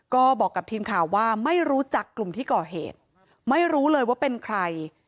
ก็บอกกับทีมข่าวว่าไม่รู้จักกลุ่มที่ก่อเหตุไม่รู้เลยว่าเป็นใคร